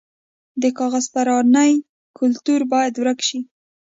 د کاغذ پرانۍ کلتور باید ورک شي.